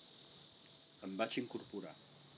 Em vaig incorporar.